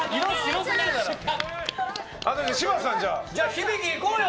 響いこうよ！